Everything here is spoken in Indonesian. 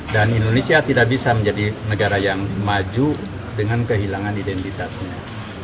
dan indonesia tidak bisa menjadi negara yang maju dengan kehilangan identitasnya